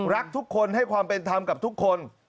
รักทุกคนให้ความเป็นธรรมกับทุกคน